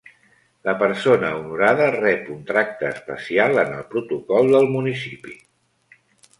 La persona honorada rep un tracte especial en el protocol del municipi.